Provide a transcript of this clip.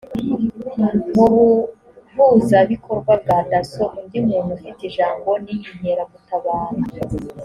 mu buhuzabikorwa bwa dasso undi muntu ufite ijambo ni inkeragutabara